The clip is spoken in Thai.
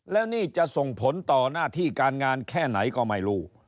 แล้วนี่จะส่งผลต่อหน้าที่การงานแค่ไหนก็ไม่รู้